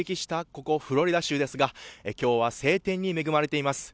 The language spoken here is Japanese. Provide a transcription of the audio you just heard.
ここフロリダ州ですが今日は晴天に恵まれています。